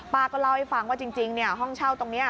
ก็เล่าให้ฟังว่าจริงห้องเช่าตรงนี้